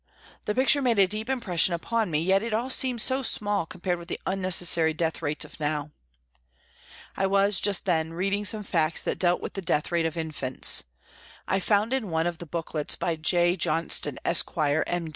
The picture made a deep impression upon me, yet it all seemed so small compared with the NEWCASTLE 203 unnecessary death rates of now. I was, just then, reading some facts that dealt with the death rate of infants. I found in one of the booklets by J. Johnston, Esq., M.